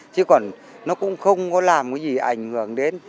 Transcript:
chứ còn nó cũng không có làm cái gì ảnh hưởng đến